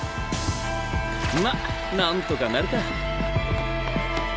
まっなんとかなるか。